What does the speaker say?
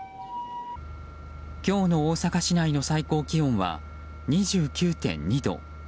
今日の大阪市内の最高気温は２９．２度。